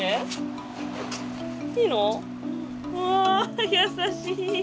うわ優しい。